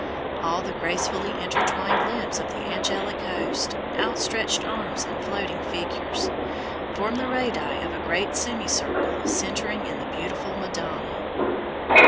All the gracefully intertwined limbs of the angelic host outstretched arms and floating figures, form the radii of a great semicircle centering in the beautiful Madonna.